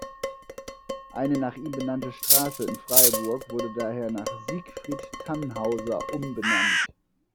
Eine nach ihm benannte Straße in Freiburg wurde daher nach Siegfried Thannhauser umbenannt.